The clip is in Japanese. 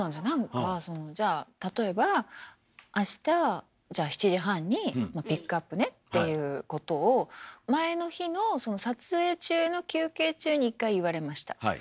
何かそのじゃあ例えば明日じゃあ７時半にピックアップねっていうことを前の日のその撮影中の休憩中に１回言われました。